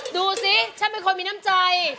ดูสิฉันเป็นคนมีน้ำใจ